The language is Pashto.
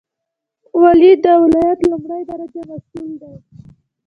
والی د ولایت لومړی درجه مسوول دی